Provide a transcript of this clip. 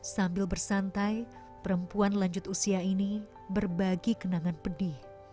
sambil bersantai perempuan lanjut usia ini berbagi kenangan pedih